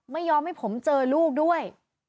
ไม่ยอมให้ผมเจอลูกด้วย